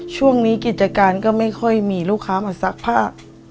ช่วงนี้กิจการก็ไม่ค่อยมีลูกค้ามาซักผ้า